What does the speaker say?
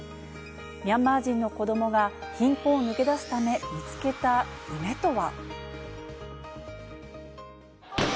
ミャンマー人の子どもが貧困を抜け出すため、見つけた夢とは。